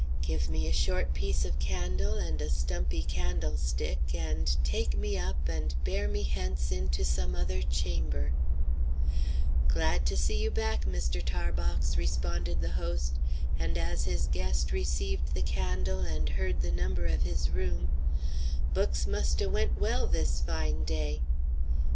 "Give me a short piece of candle and a stumpy candlestick and 'Take me up, and bear me hence Into some other chamber'" "Glad to see you back, Mr. Tarbox," responded the host; and as his guest received the candle and heard the number of his room, "books must 'a' went well this fine day."